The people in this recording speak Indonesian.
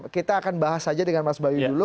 kita akan bahas saja dengan mas bayu dulu